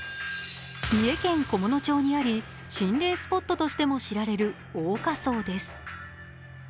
三重県菰野町にあり心霊スポットとしても知られる鶯花荘です。